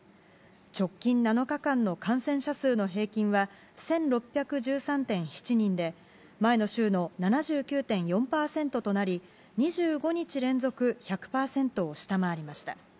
直近７日間の感染者数の平均は、１６１３．７人で、前の週の７９．４％となり、２５日連続１００％を下回りました。